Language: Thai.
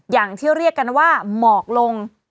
อย่างที่เรียกกันว่าหมอกลง